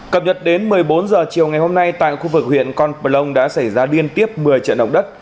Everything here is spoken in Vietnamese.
cập nhật đến một mươi bốn h chiều ngày hôm nay tại khu vực huyện con plong đã xảy ra liên tiếp một mươi trận động đất